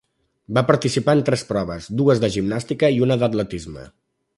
Va participar en tres proves, dues de gimnàstica i una d'atletisme.